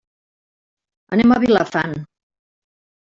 Anem a Vilafant.